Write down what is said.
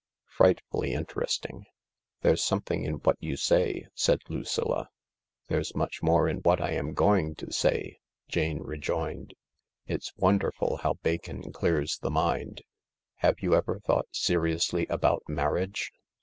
Frightfully interesting." "There's something in what you say," said Lucilla. "There's much more in what I am going to say," Jane rejoined ; "it's wonderful how bacon clears the mind, Have you ever thought seriously about marriage